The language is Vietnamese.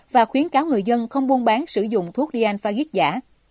và khuyến cáo người dân không buôn bán sử dụng thuốc dianfagic giả